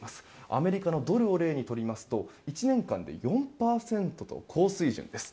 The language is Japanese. アメリカのドルを例にとりますと１年間で４％と高水準です。